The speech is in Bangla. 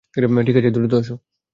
ঠিক আছে, দ্রুত আসো।